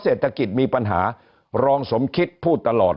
หนี้ครัวเรือนก็คือชาวบ้านเราเป็นหนี้มากกว่าทุกยุคที่ผ่านมาครับ